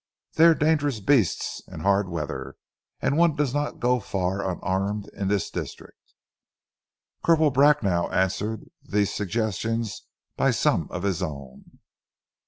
They are dangerous beasts in hard weather, and one does not go far unarmed in this district." Corporal Bracknell answered these suggestions by some of his own.